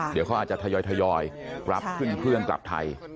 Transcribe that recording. เดี๋ยวเขาอาจจะทยอยรับเพื่อนกลับไทย